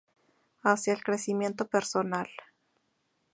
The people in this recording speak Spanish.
Hacia el crecimiento personal".